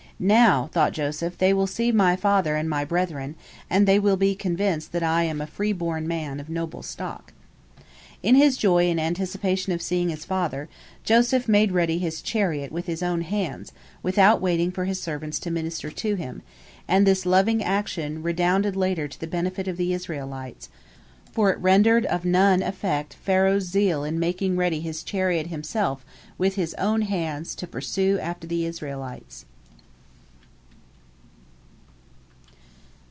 "Now," thought Joseph, "they will see my father and my brethren, and they will be convinced that I am a free born man, of noble stock." In his joy in anticipation of seeing his father, Joseph made ready his chariot with his own hands, without waiting for his servants to minister to him, and this loving action redounded later to the benefit of the Israelites, for it rendered of none effect Pharaoh's zeal in making ready his chariot himself, with his own hands, to pursue after the Israelites.